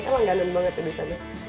kan langganan banget tuh di sana